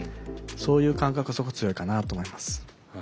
そういう感覚はすごい強いかなと思います。